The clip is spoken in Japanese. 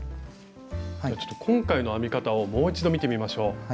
ちょっと今回の編み方をもう一度見てみましょう。